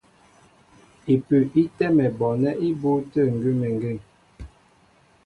Ipʉ í tɛ́mɛ bɔɔnɛ́ ibû tə̂ ngʉ́mengeŋ.